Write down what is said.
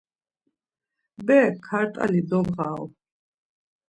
Berek kart̆ali doğaru.